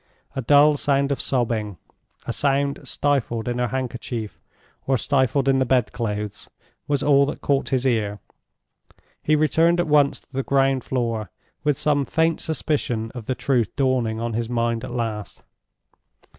A dull sound of sobbing—a sound stifled in her handkerchief, or stifled in the bed clothes—was all that caught his ear. He returned at once to the ground floor, with some faint suspicion of the truth dawning on his mind at last.